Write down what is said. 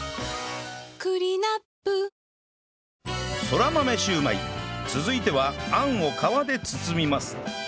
そら豆焼売続いてはあんを皮で包みます